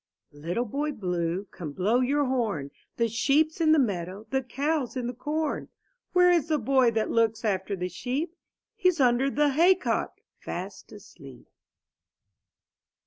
20 IN THE NURSERY I ITTLE Boy Blue, come blow your horn, The sheep's in the meadow, the cow's in the corn. Where is the boy that looks after the sheep? He's under the hay cock, fast asleep.